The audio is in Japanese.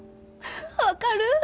分かる！